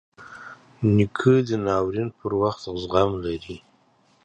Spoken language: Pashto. نیکه د ناورین پر وخت زغم لري.